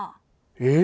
えっ！